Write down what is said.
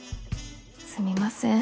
すみません